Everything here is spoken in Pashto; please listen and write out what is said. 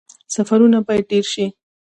سفرونه باید ډیر شي